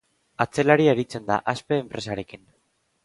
Atzelari aritzen da, Aspe enpresarekin.